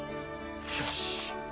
よし。